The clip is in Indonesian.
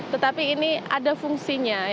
tetapi ini ada fungsinya